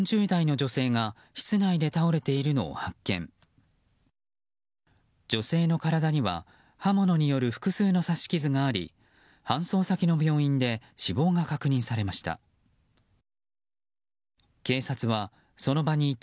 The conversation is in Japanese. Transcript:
女性の体には刃物による複数の刺し傷があり搬送先の病院で死亡が確認されました。